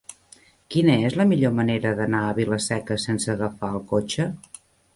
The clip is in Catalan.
Quina és la millor manera d'anar a Vila-seca sense agafar el cotxe?